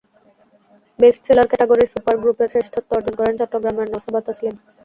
Best seller ক্যাটাগরির super গ্রুপে শ্রেষ্ঠত্ব অর্জন করেন চট্টগ্রামের নওসাবা তাসলিম।